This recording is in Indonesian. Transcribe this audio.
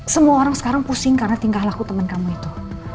semua orang sekarang pusing karena tingkah laku teman kamu itu